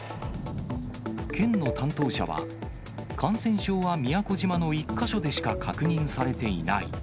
県の担当者は、感染症は宮古島の１か所でしか確認されていない。